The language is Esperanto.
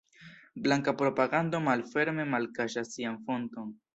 Blanka propagando malferme malkaŝas sian fonton.